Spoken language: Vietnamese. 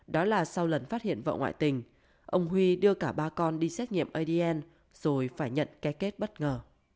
đó là sau lần phát hiện vợ ngoại tình ông huy đưa cả ba con đi xét nghiệm adn rồi phải nhận cái kết bất ngờ